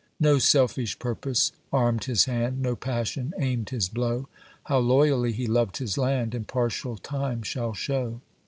No selfish purpose armed his hand, No passion aimed his blow ; How loyally he loved his land, Impartial Time shall show.